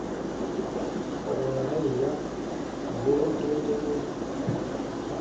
Kɔɗɛ wará yi yák borotoo.